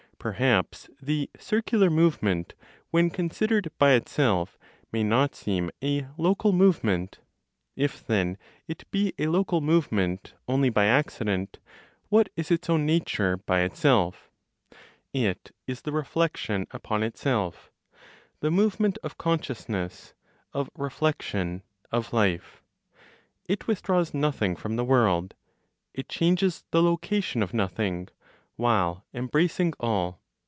Perhaps the circular movement, when considered by itself, may not seem a local movement. If then it be a local movement only by accident, what is its own nature, by itself? It is the reflection upon itself, the movement of consciousness, of reflection, of life; it withdraws nothing from the world, it changes the location of nothing, while embracing all.